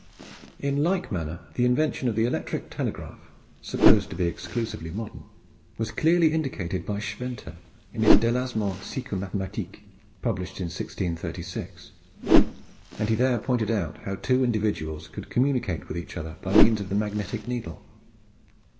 In like manner the invention of the electric telegraph, supposed to be exclusively modern, was clearly indicated by Schwenter in his Delasements Physico Mathematiques, published in 1636; and he there pointed out how two individuals could communicate with each other by means of the magnetic needle.